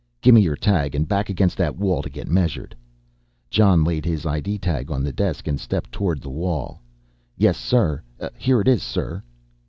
"Gimme your tag and back against that wall to get measured." Jon laid his ID tag on the desk and stepped towards the wall. "Yes, sir, here it is, sir."